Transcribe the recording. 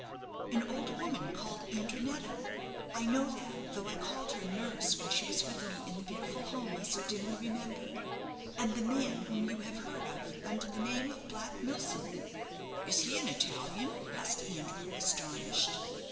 "An old woman, called Andrinetta I know that, though I called her 'nurse' when she was with me in the beautiful home I so dimly remember and the man whom you have heard of under the name of Black Milsom." "Is he an Italian?" asked Andrew, astonished.